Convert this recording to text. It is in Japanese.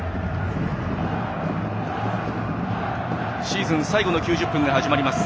シーズン最後の９０分が始まります。